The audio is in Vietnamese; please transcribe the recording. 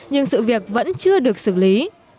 nhưng sự việc vẫn chưa được xử lý